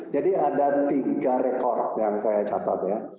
jadi ada tiga rekor yang saya catat